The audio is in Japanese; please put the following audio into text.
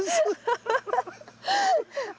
ハハハッ。